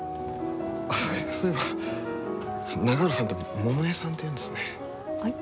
そういえば、永浦さんって百音さんっていうんですね。